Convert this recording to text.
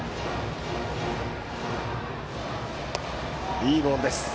いいボールです。